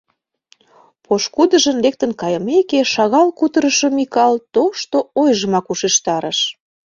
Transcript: Пошкудыжын лектын кайымеке, шагал кутырышо Микал тошто ойжымак ушештарыш: